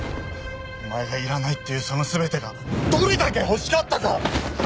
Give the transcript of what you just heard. お前がいらないっていうその全てがどれだけ欲しかったか！